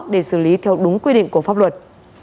để xử lý theo đúng quy định của pháp luật